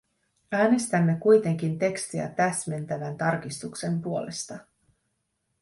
Äänestämme kuitenkin tekstiä täsmentävän tarkistuksen puolesta.